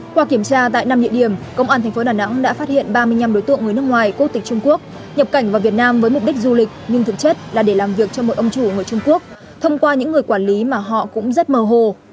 qua kiểm tra tại năm địa điểm công an thành phố đà nẵng đã phát hiện ba mươi năm đối tượng người nước ngoài quốc tịch trung quốc nhập cảnh vào việt nam với mục đích du lịch nhưng thực chất là để làm việc cho một ông chủ người trung quốc thông qua những người quản lý mà họ cũng rất màu hồ